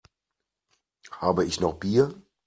Habe ich noch Bier?